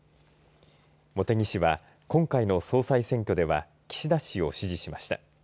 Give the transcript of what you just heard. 茂木氏は今回の総裁選挙では岸田氏を支持しました。